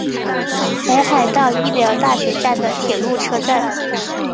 北海道医疗大学站的铁路车站。